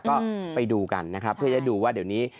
ก็ไปดูกันนะครับเพื่อจะดูว่าเดี๋ยวนี้